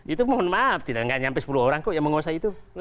itu mohon maaf tidak sampai sepuluh orang kok yang menguasai itu